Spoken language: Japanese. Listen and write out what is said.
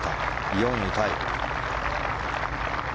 ４位タイ。